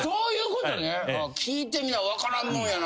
聞いてみな分からんもんやな。